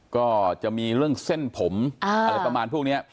ก็จะมีเรื่องเส้นผมอะไรประมาณพวกนี้